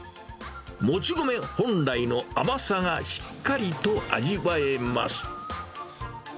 もち米本来の甘さがしっかりと味わえます。